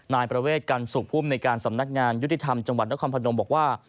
นายประเวทกันสุขภูมิในการสำนักงานยุติธรรมจังหวัดนครพนมบอกว่า